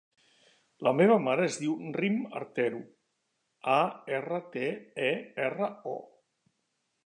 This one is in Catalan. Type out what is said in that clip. La meva mare es diu Rim Artero: a, erra, te, e, erra, o.